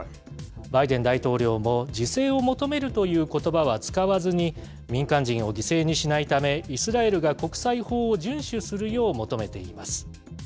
バイデン大統領も自制を求めるということばは使わずに、民間人を犠牲にしないため、イスラエルが国際法を順守するよう求めています。